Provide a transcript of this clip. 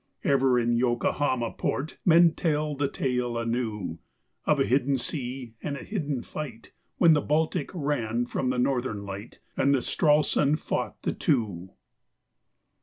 Ever in Yokohama Port men tell the tale anew Of a hidden sea and a hidden fight, When the Baltic ran from the Northern Light And the Stralsund fought the two!